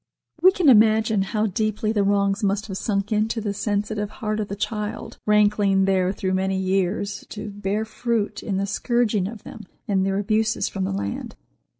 We can imagine how deeply the wrongs must have sunk into the sensitive heart of the child, rankling there through many years, to bear fruit in the scourging of them and their abuses from the land.